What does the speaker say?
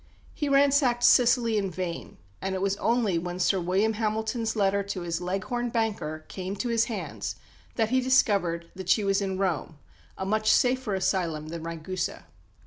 He ransacked Sicily in vain, and it was only when Sir William Hamilton's letter to his Leghorn banker came to his hands that he discovered that she was in Rome, a much safer asylum than Ragusa.